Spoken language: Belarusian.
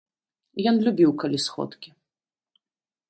Ён любіў, калі сходкі.